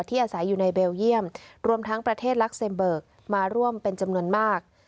อาศัยอยู่ในเบลเยี่ยมรวมทั้งประเทศลักเซมเบิกมาร่วมเป็นจำนวนมาก